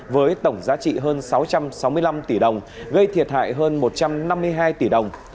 với tổng giá trị hơn sáu trăm sáu mươi năm tỷ đồng gây thiệt hại hơn một trăm năm mươi hai tỷ đồng